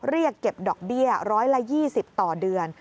เรียกเก็บดอกเบี้ย๑๒๐ต่อเดือน